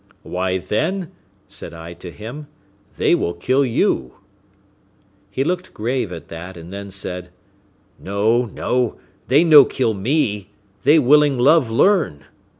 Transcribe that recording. "Why, then," said I to him, "they will kill you." He looked grave at that, and then said, "No, no, they no kill me, they willing love learn."